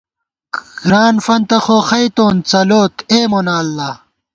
گران فنتہ خوخئیتون ، څلوت اے مونہ اللہ